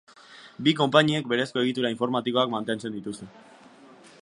Bi konpainiek berezko egitura informatikoak mantentzen dituzte.